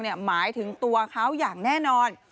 หมายถึงตัวเขาอย่างแน่นอน